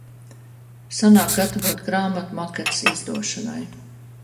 Sanāk gatavot grāmatu maketus izdošanai.